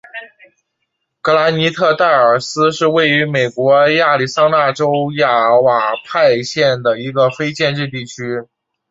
格兰尼特戴尔斯是位于美国亚利桑那州亚瓦派县的一个非建制地区。